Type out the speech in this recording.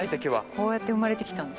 こうやって生まれてきたんですね。